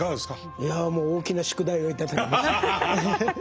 いやもう大きな宿題を頂きました。